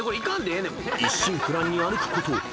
［一心不乱に歩くこと２５分］